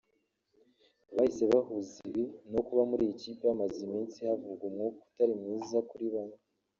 bahise bahuza ibi no kuba muri iyi kipe hamaze iminsi havugwa umwuka utari mwiza kuri bamwe